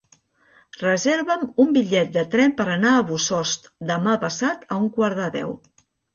Reserva'm un bitllet de tren per anar a Bossòst demà passat a un quart de deu.